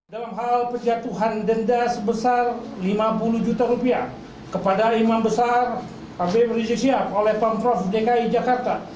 dalam hal penjatuhan denda sebesar lima puluh juta rupiah kepada imam besar habib rizik sihab oleh pemprov dki jakarta